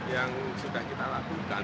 yang sudah kita lakukan